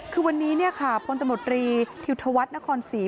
คือวันนี้คนตมรตรีถิ่วทวัฏณศรี